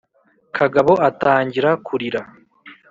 kagabo atangira kurira.